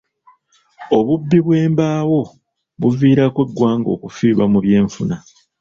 Obubbi bw'embaawo buviirako eggwanga okufiirwa mu byenfuna.